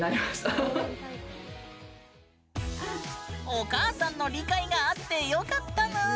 お母さんの理解があって、よかったぬーん。